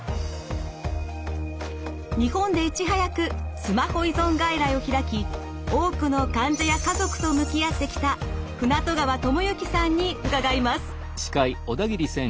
日本でいち早くスマホ依存外来を開き多くの患者や家族と向き合ってきた船渡川智之さんに伺います。